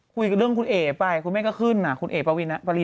คุยกับเรื่องคุณเอกไปคุณแม่ก็ขึ้นคุณเอกปราวินาศาสตร์